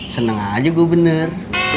seneng aja gue bener